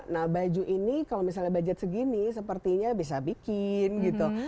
nah baju ini kalau misalnya budget segini sepertinya bisa bikin gitu